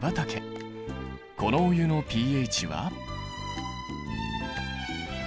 このお湯のｐＨは。